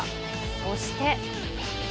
そして。